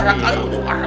waktu udah oke